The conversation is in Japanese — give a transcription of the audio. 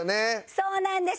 そうなんです。